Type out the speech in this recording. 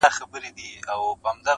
ژونده راسه څو د میني ترانې سه-